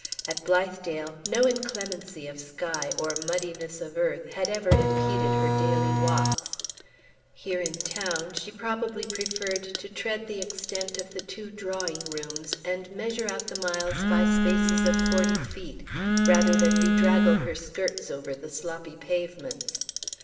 At Blithedale, no inclemency of sky or muddiness of earth had ever impeded her daily walks. Here in town, she probably preferred to tread the extent of the two drawing rooms, and measure out the miles by spaces of forty feet, rather than bedraggle her skirts over the sloppy pavements.